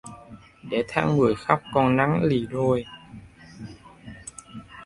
Để tháng mười khóc con nắng lìa đôi